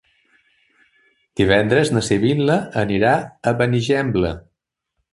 Divendres na Sibil·la anirà a Benigembla.